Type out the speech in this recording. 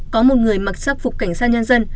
có một người mặc sắc phục cảnh sát nhân dân